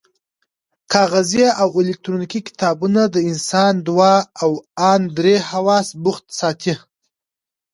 کاغذي او الکترونیکي کتابونه د انسان دوه او ان درې حواس بوخت ساتي.